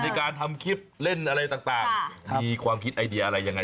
มีการทำคลิปเล่นอะไรต่างมีความคิดไอเดียอะไรยังไง